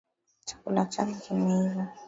Chakula chake kimeiva.